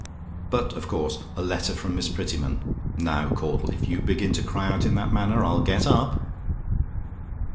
But of course, a letter from Miss Prettyman Now, Caudle, if you begin to cry out in that manner, I'll get up.